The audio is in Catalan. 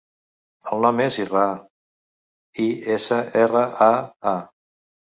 El nom és Israa: i, essa, erra, a, a.